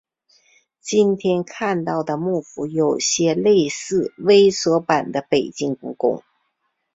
今天看到的木府有些类似微缩版的北京故宫。